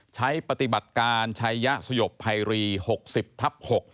ใช้ปฏิบัติการชัยยะสยบภัยรี๖๐ทับ๖